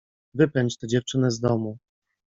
Wypędź tę dziewczynę z domu!